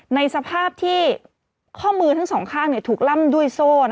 ในสภาพที่ข้อมือทั้งสองข้างถูกล่ำด้วยโซ่